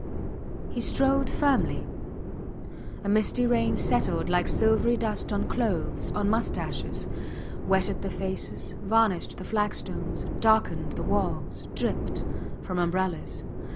He strode firmly. A misty rain settled like silvery dust on clothes, on moustaches; wetted the faces, varnished the flagstones, darkened the walls, dripped from umbrellas.